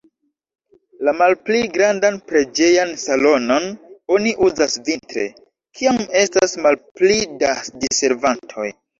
La malpli grandan preĝejan salonon oni uzas vintre, kiam estas malpli da diservantoj.